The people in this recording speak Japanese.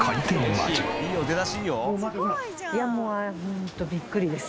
いやもうホントビックリです。